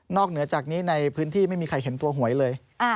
เหนือจากนี้ในพื้นที่ไม่มีใครเห็นตัวหวยเลย